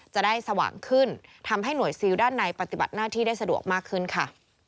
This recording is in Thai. สว่างขึ้นทำให้หน่วยซิลด้านในปฏิบัติหน้าที่ได้สะดวกมากขึ้นค่ะ